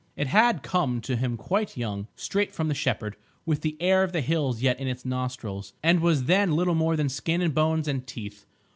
It had come to him quite young, straight from the shepherd, with the air of the hills yet in its nostrils, and was then little more than skin and bones and teeth.